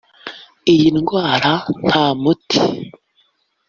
Iyi ndwara nta muti